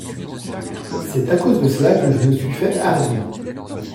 C’est à cause de cela que je me suis fait hardi !